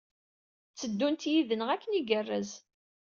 Tteddunt yid-neɣ akken igerrez.